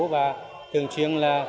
và thường chuyên là